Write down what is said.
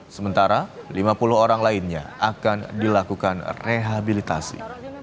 sementara lima puluh orang lainnya akan dilakukan rehabilitasi